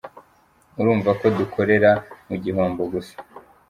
Urumva ko dukorera mu gihombo gusa.